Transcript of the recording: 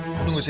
udah duda deh